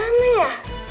aduh gimana ya